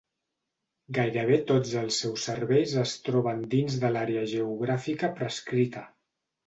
Gairebé tots els seus serveis es troben dins de l'àrea geogràfica prescrita.